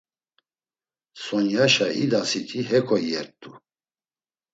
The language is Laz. Sonyaşa idasiti heko iyert̆u.